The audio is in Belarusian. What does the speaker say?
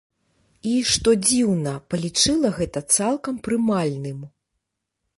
І, што дзіўна, палічыла гэта цалкам прымальным.